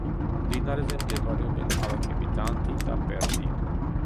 მდინარეზე მდებარეობენ ქალაქები: დანდი და პერტი.